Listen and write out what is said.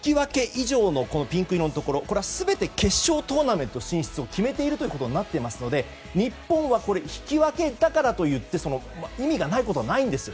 以上のピンク色のところはこれは全て決勝トーナメントを決めているということになっていますので日本は引き分けだからといって意味がないことはないんです。